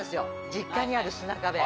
実家にある砂壁。